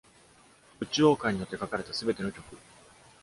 ブッチウォーカーによって書かれたすべての曲。